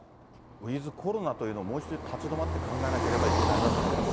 ウィズコロナというのをもう一度立ち止まって考えなければいけないなと思います。